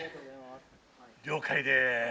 了解です。